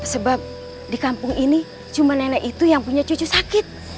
sebab di kampung ini cuma nenek itu yang punya cucu sakit